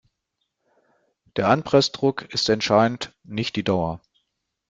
Der Anpressdruck ist entscheidend, nicht die Dauer.